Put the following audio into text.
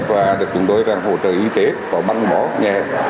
và được chứng đối rằng hỗ trợ y tế có băng bó nhẹ